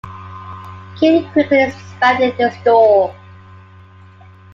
Keil quickly expanded the store.